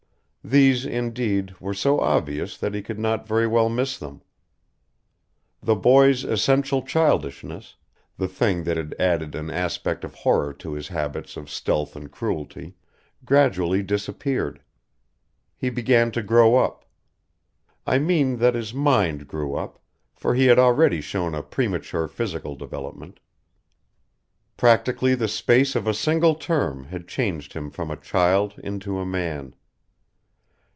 These, indeed, were so obvious that he could not very well miss them. The boy's essential childishness, the thing that had added an aspect of horror to his habits of stealth and cruelty, gradually disappeared. He began to grow up. I mean that his mind grew up, for he had already shown a premature physical development. Practically the space of a single term had changed him from a child into a man.